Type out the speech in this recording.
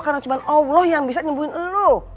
karena cuma allah yang bisa nyembuhin lu